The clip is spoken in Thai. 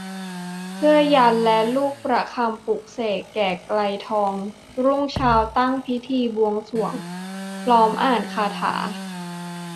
เสื้อยันต์และลูกประคำปลุกเสก แก่ไกรทอง รุ่งเช้าตั้งพิธีบวงสรวงพร้อมอ่านคาถา